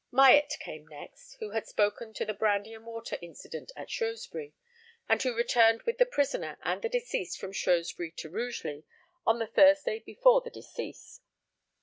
Myatt came next, who had spoken to the brandy and water incident at Shrewsbury, and who returned with the prisoner and the deceased from Shrewsbury to Rugeley on the Thursday before the decease.